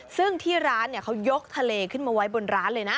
ซึ่งที่ร้านเขายกทะเลขึ้นมาไว้บนร้านเลยนะ